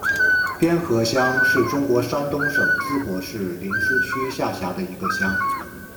边河乡是中国山东省淄博市临淄区下辖的一个乡。